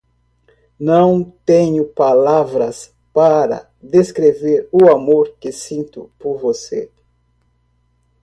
Não tenho palavras para descrever o amor que sinto por você